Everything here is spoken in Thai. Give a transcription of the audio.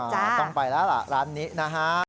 ต้องไปแล้วล่ะร้านนี้นะฮะ